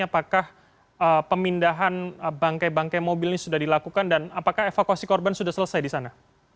apakah pemindahan bangke bangkai mobil ini sudah dilakukan dan apakah evakuasi korban sudah selesai di sana